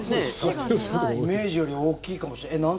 イメージより大きいかもしれない。